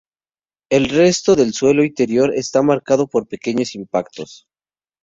El resto del suelo interior está marcado por pequeños impactos.